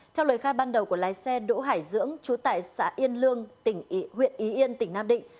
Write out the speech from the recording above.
theo lời khai ban đầu của lái xe đỗ hải dưỡng chú tại xã yên lương huyện y yên tỉnh nam định